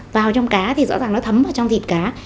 vào trong cá thì rõ ràng nó thấm vào trong thịt cá